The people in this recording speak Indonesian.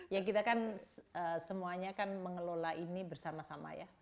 ya kita kan semuanya kan mengelola ini bersama sama ya